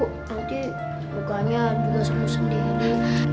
nanti mukanya juga selesai